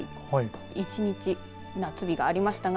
１日、夏日がありましたが。